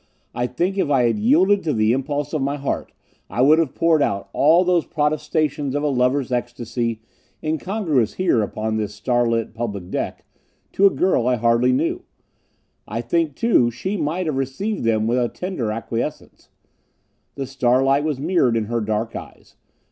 I think if I had yielded to the impulse of my heart, I would have poured out all those protestations of a lover's ecstasy, incongruous here upon this starlit public deck, to a girl I hardly knew. I think, too, she might have received them with a tender acquiescence. The starlight was mirrored in her dark eyes.